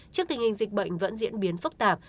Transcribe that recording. trước tình hình dịch bệnh vẫn diễn biến phức tạp